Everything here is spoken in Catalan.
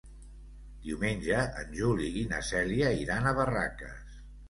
Diumenge en Juli i na Cèlia iran a Barraques.